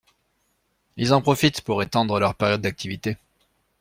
Ils en profitent pour étendre leur période d’activité.